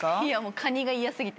カニが嫌過ぎて。